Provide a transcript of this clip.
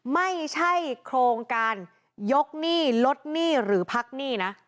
ไม่ใช่โครงการยกหนี้ลดหนี้หรือพักหนี้นะ